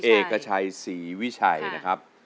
เด็กกระชัยศรีวิชัยนะครับ